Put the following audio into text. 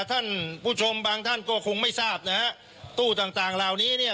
ท่านผู้ชมบางท่านก็คงไม่ทราบนะฮะตู้ต่างต่างเหล่านี้เนี่ย